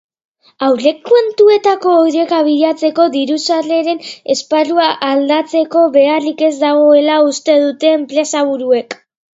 Aurrekontuetako oreka bilatzeko diru-sarreren esparrua aldatzeko beharrik ez dagoela uste dute enpresaburuek.